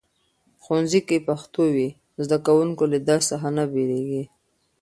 ښوونځي کې پښتو وي، زده کوونکي له درس څخه نه بیریږي.